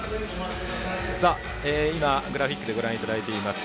今、グラフィックでご覧いただいています